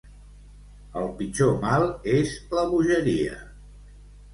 El pitjor mal és la bogeria.